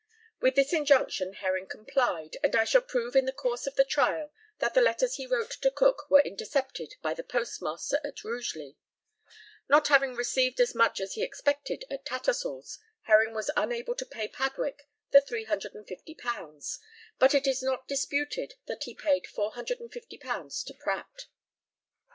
With this injunction Herring complied, and I shall prove in the course of the trial that the letters he wrote to Cook were intercepted by the postmaster at Rugeley. Not having received as much as he expected at Tattersall's, Herring was unable to pay Padwick the £350; but it is not disputed that he paid £450 to Pratt.